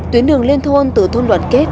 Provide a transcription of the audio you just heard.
tuyến đường lên thôn từ thôn luận kết